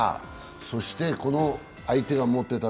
そして、相手が持っていた